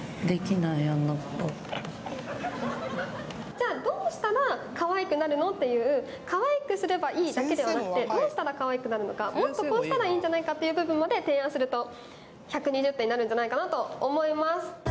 じゃあどうしたら可愛くなるの？っていう可愛くすればいいだけではなくてどうしたら可愛くなるのかもっとこうしたらいいんじゃないかっていう部分まで提案すると１２０点になるんじゃないかなと思います